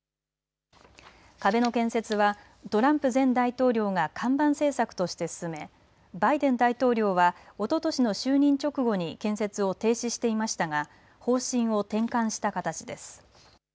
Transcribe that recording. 壁の建設はトランプ前大統領が看板政策として進めバイデン大統領はおととしの就任直後に建設を停止していましたが方針を転換した形です。